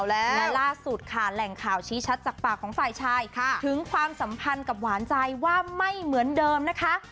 และล่าสุดค่ะแหล่งข่าวชี้ชัดจากปากของฝ่ายชายถึงความสัมพันธ์กับหวานใจว่าไม่เหมือนเดิมนะคะ